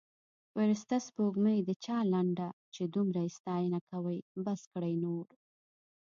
فرسته سپوړمۍ د چا لنډه چې دمره یې ستاینه یې کوي بس کړﺉ نو